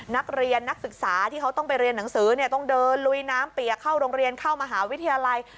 นักศึกษาที่เขาต้องไปเรียนหนังสือเนี่ยต้องเดินลุยน้ำเปียกเข้าโรงเรียนเข้ามหาวิทยาลัย